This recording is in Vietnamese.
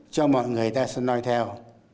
cho mọi người ta sẽ nói theo